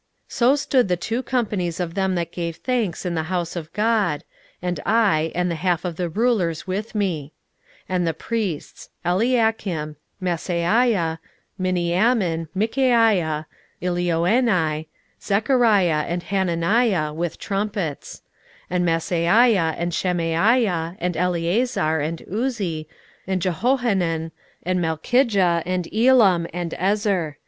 16:012:040 So stood the two companies of them that gave thanks in the house of God, and I, and the half of the rulers with me: 16:012:041 And the priests; Eliakim, Maaseiah, Miniamin, Michaiah, Elioenai, Zechariah, and Hananiah, with trumpets; 16:012:042 And Maaseiah, and Shemaiah, and Eleazar, and Uzzi, and Jehohanan, and Malchijah, and Elam, and Ezer.